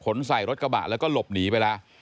ใส่รถกระบะแล้วก็หลบหนีไปแล้ว